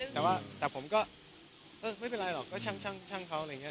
แต่ว่าแต่ผมก็เออไม่เป็นไรหรอกก็ช่างเขาอะไรอย่างนี้